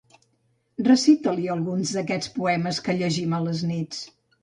Recita-li algun d'aquests poemes que llegim a les nits.